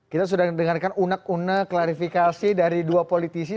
kita sudah dengarkan unek unek klarifikasi dari dua politisi